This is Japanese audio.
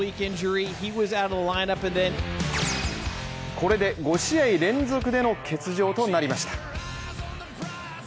これで５試合連続での欠場となりました。